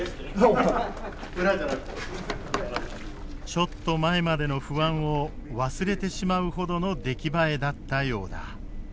ちょっと前までの不安を忘れてしまうほどの出来栄えだったようだ。